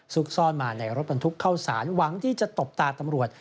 ซ่อนมาในรถบรรทุกเข้าสารหวังที่จะตบตาตำรวจ